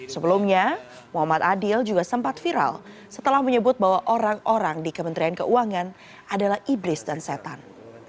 sebelumnya muhammad adil juga sempat viral setelah menyebut bahwa orang orang di kementerian keuangan adalah iblis dan setan